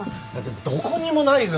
でもどこにもないぞ。